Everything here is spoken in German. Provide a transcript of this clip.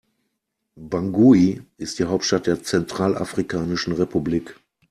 Bangui ist die Hauptstadt der Zentralafrikanischen Republik.